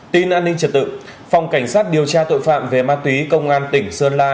tin an ninh trật tự phòng cảnh sát điều tra tội phạm về ma túy công an tỉnh sơn la